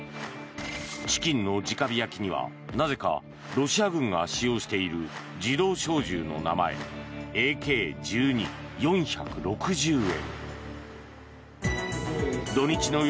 チキンの直火焼きにはなぜかロシア軍が使用している自動小銃の名前、ＡＫ−１２４６０円。